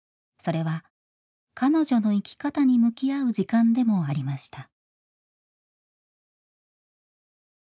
それは彼女の生き方に向き合う時間でもありました。